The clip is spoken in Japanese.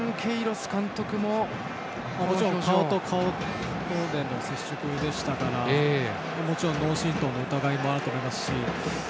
顔と顔とでの接触でしたからもちろん脳震とうの疑いもあると思いますし。